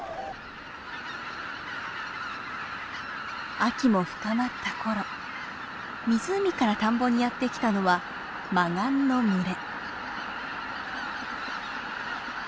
秋も深まった頃湖から田んぼにやって来たのはマガンの群れ。